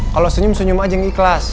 kalau senyum senyum aja yang ikhlas